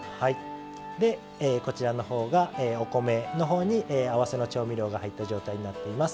でこちらのほうがお米のほうに合わせの調味料が入った状態になっています。